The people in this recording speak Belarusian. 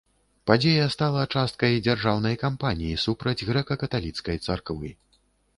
Падзея стала часткай дзяржаўнай кампаніі супраць грэка-каталіцкай царквы.